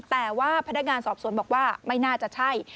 แต่ว่าพนักงานสอบสวนบอกว่าไม่น่าจะใช่